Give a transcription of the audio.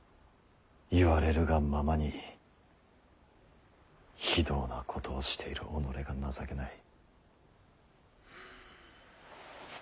言われるがままに非道なことをしている己が情けない。